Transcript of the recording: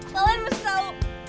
kalian mesti tau